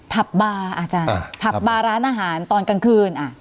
ผับบาร้านอาหารตอนกลางคืน